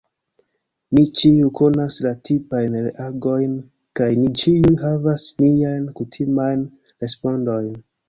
Ni ĉiuj konas la tipajn reagojn, kaj ni ĉiuj havas niajn kutimajn respondojn.